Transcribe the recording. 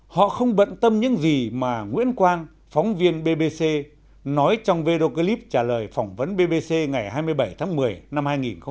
họ không bận tâm những gì mà nguyễn quang phóng viên bbc nói trong video clip trả lời phỏng vấn bbc ngày hai mươi bảy tháng một mươi năm hai nghìn một mươi tám